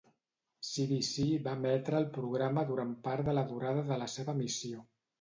CBC va emetre el programa durant part de la durada de la seva emissió.